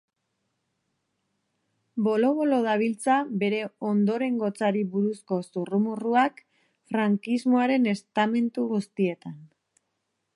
Bolo-bolo dabiltza bere ondorengotzari buruzko zurrumurruak frankismoaren estamentu guztietan.